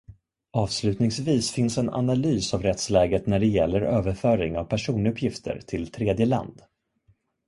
Avslutningsvis finns en analys av rättsläget när det gäller överföring av personuppgifter till tredjeland.